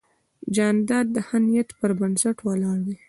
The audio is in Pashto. جانداد د ښه نیت پر بنسټ ولاړ دی.